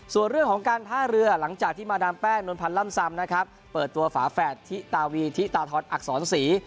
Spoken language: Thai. ส่วนเรื่องของการท่าเรือหลังจากที่มาดามแป้งโน้นพันร่ำซำเปิดตัวฝาแฝดที่ตาวีที่ตาถอนอักษรศรี